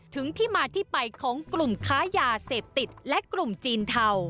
ถึงที่มาที่ไปของกลุ่มค้ายาเสพติดและกลุ่มจีนเทา